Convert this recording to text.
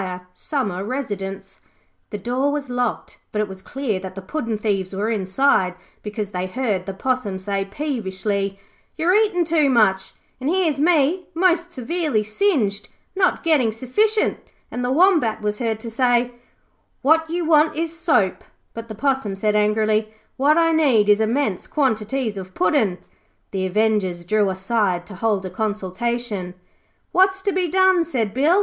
Summer Residence'. The door was locked, but it was clear that the puddin' thieves were inside, because they heard the Possum say peevishly, 'You're eating too much, and here's me, most severely singed, not getting sufficient', and the Wombat was heard to say, 'What you want is soap', but the Possum said angrily, 'What I need is immense quantities of puddin'.' The avengers drew aside to hold a consultation. 'What's to be done?' said Bill.